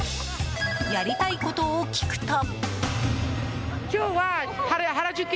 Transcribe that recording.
やりたいことを聞くと。